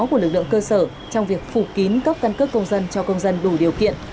của lực lượng cơ sở trong việc phủ kín cấp căn cước công dân cho công dân đủ điều kiện